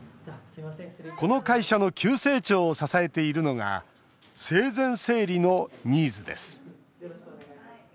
この会社の急成長を支えているのが生前整理のニーズです。